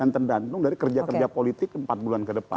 tergantung dari kerja kerja politik empat bulan ke depan